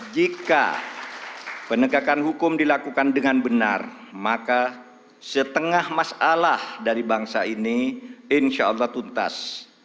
jika penegakan hukum dilakukan dengan benar maka setengah masalah dari bangsa ini insya allah tuntas